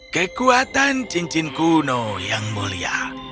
kekuatan cincin kuno yang mulia